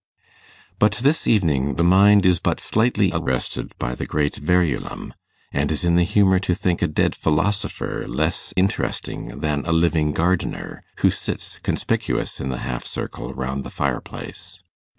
But this evening the mind is but slightly arrested by the great Verulam, and is in the humour to think a dead philosopher less interesting than a living gardener, who sits conspicuous in the half circle round the fireplace.